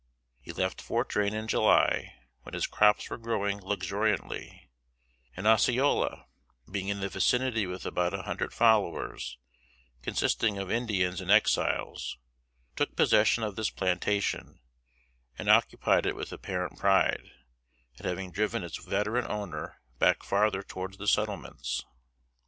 He left Fort Drane in July, when his crops were growing luxuriantly; and Osceola, being in the vicinity with about a hundred followers, consisting of Indians and Exiles, took possession of this plantation, and occupied it with apparent pride, at having driven its veteran owner back farther towards the settlements.